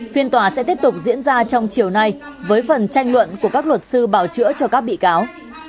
phiên tòa sẽ tiếp tục diễn ra trong chiều nay với phần tranh luận của các luật sư bảo chữa cho các bị cáo